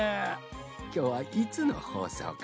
きょうはいつのほうそうかのう？